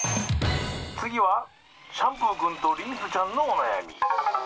「つぎはシャンプーくんとリンスちゃんのおなやみ」。